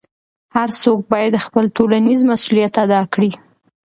هر څوک باید خپل ټولنیز مسؤلیت ادا کړي.